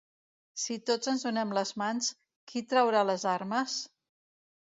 Si tots ens donem les mans, qui traurà les armes?